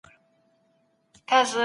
وېره په حقیقت کي هیڅ شتون نه لري؟